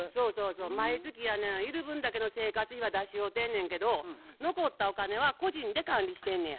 毎月やねいる分だけの生活費は出し合うてんねんけど残ったお金は個人で管理してんねや。